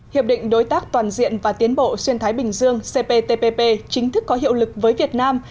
hiệp định đối tác toàn diện và tiến bộ xuyên thái bình dương cptpp chính thức có hiệu lực với việt nam